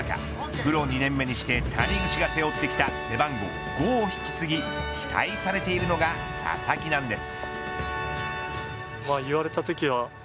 プロ２年目にして谷口が背負ってきた背番号５を引き継ぎ期待されているのが佐々木なんです。